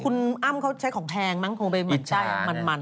คุณอ้ำเขาใช้ของแพงมั้งคงเป็นไส้มัน